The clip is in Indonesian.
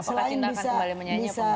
apakah cinta akan kembali bernyanyi apa bukan